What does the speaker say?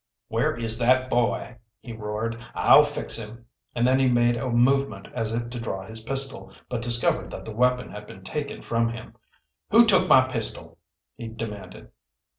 "Where is that boy?" he roared. "I'll fix him." And then he made a movement as if to draw his pistol, but discovered that the weapon had been taken from him. "Who took my pistol?" he demanded.